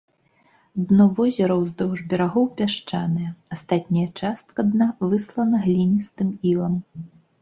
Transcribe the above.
Дно возера ўздоўж берагоў пясчанае, астатняя частка дна выслана гліністым ілам.